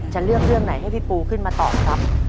จะเลือกเรื่องไหนให้พี่ปูขึ้นมาตอบครับ